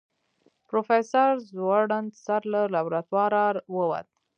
پروفيسر ځوړند سر له لابراتواره ووت.